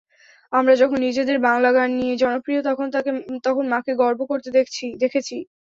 আমরা যখন নিজেদের বাংলা গান নিয়ে জনপ্রিয়, তখন মাকে গর্ব করতে দেখেছি।